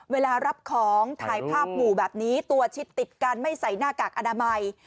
เวลารับของถ่ายภาพหมู่แบบนี้ตัวชิดติดกันไม่ใส่หน้ากากอนามัย